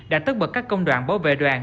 đã tất bật các công đoàn bảo vệ đoàn